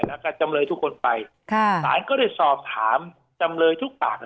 แล้วก็จำเลยทุกคนไปค่ะสารก็ได้สอบถามจำเลยทุกปาก